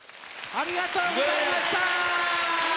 ありがとうございます！